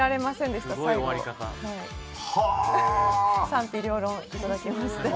賛否両論いただきまして。